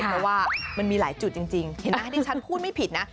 เพราะว่ามันมีหลายจุดจริงเห็นไหมที่ฉันพูดไม่ผิดนะ